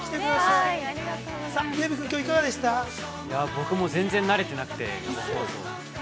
◆僕も全然なれてなくて。